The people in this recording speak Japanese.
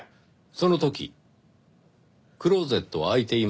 その時クローゼットは開いていましたか？